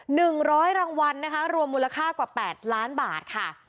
หนึ่งร้อยรางวัลนะคะรวมมูลค่ากว่าแปดล้านบาทค่ะ